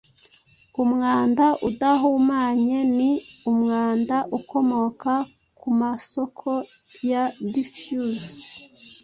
Umwanda udahumanye ni umwanda ukomoka kumasoko ya diffuse.